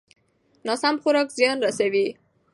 ناسم خوراک زیان رسوي.